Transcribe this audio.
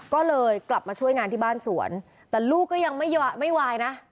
ก็เลยกลับมาช่วยงานที่บ้านสวนแต่ลูกก็ยังไม่วายนะ